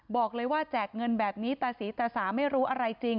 บอกเลยว่าแจกเงินแบบนี้ตาศรีตาสาไม่รู้อะไรจริง